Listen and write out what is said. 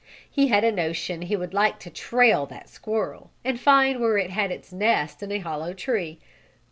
He had a notion he would like to trail that squirrel, and find where it had its nest in a hollow tree.